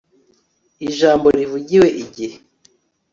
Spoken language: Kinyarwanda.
ijambo rivugiwe igihe